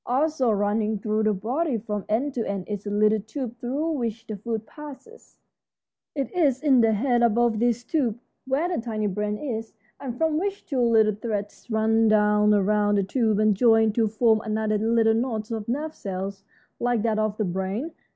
Also running through the body, from end to end, is a little tube through which the food passes. It is in the head above this tube where the tiny brain is, and from which two little threads run down around the tube and join to form another little knot of nerve cells like that of the brain.